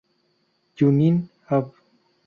Junín, Av.